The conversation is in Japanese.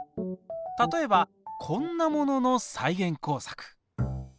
例えばこんなものの再現工作。